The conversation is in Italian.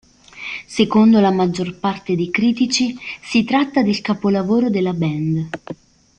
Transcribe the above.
Secondo la maggior parte dei critici, si tratta del capolavoro della band.